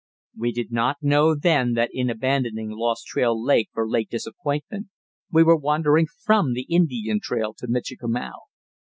We did not know then that in abandoning Lost Trail Lake for Lake Disappointment we were wandering from the Indian trail to Michikamau.